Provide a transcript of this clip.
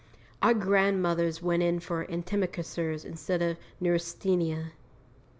Our grandmothers went in for antimacassars instead of neurasthenia.